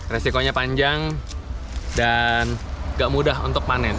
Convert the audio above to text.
resikonya panjang dan enggak mudah untuk panen